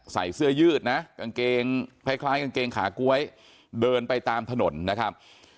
ใส่เสื้อยืดนะกางเกงคล้ายกางเกงขาก๊วยเดินไปตามถนนนะครับ